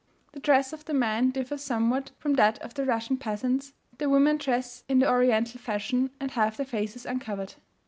The dress of the men differs somewhat from that of the Russian peasants, the women dress in the Oriental fashion, and have their faces uncovered.